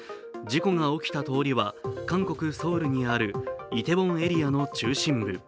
事故が起きた通りは韓国・ソウルにあるイテウォンエリアの中心部。